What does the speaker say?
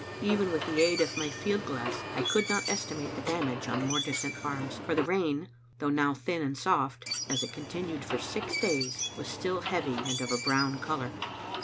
Even with the aid of my field glass I could not esti mate the damage on more distant farms, for the rain, though now thin and soft, as it continued for six days, was still heavy and of a brown color.